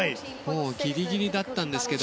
ギリギリだったんですけど。